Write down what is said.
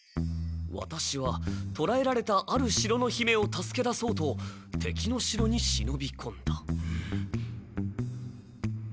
「ワタシはとらえられたある城の姫を助け出そうと敵の城に忍びこんだ」。